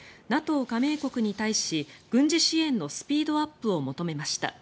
加盟国に対し軍事支援のスピードアップを求めました。